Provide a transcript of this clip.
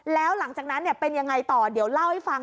แล้วหลังจากนั้นเป็นยังไงต่อเดี๋ยวเล่าให้ฟัง